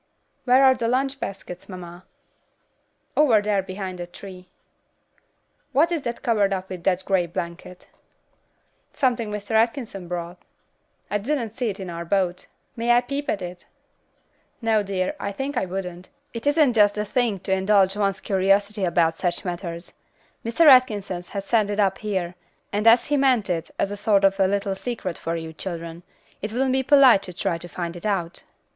"Where are the lunch baskets, mamma?" "Over there behind that tree." "What is that covered up with that grey blanket?" "Something Mr. Atkinson brought." "I didn't see it in our boat. May I peep at it?" "No, dear, I think I wouldn't. It isn't just the thing to indulge one's curiosity about such matters. Mr. Atkinson had it sent up here, and as he meant it as a sort of a little secret for you children, it wouldn't be polite to try to find it out."